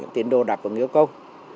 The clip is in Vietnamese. tiến độ đạt vào nghĩa công